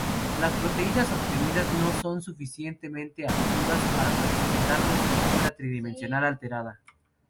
Las proteínas obtenidas no son suficientemente activas para que presenten la estructura tridimensional alterada.